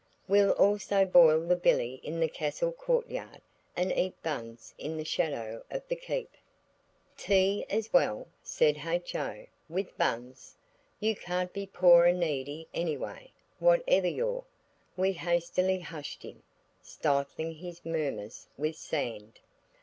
"We'll also boil the billy in the castle courtyard, and eat buns in the shadow of the keep." "Tea as well?" said H.O., "with buns? You can't be poor and needy any way, whatever your–" We hastily hushed him, stifling his murmurs with sand.